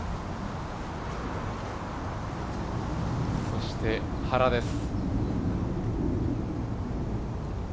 そして、原です。